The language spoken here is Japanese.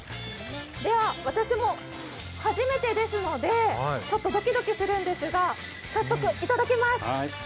では私も初めてですので、ちょっとドキドキするんですが早速、いただきます！